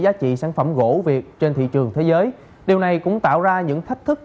giá trị sản phẩm gỗ việt trên thị trường thế giới điều này cũng tạo ra những thách thức